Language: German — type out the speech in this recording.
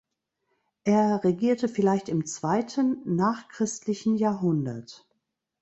Er regierte vielleicht im zweiten nachchristlichen Jahrhundert.